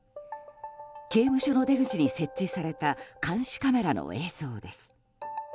刑務所の出口に設置された監視カメラの映像です。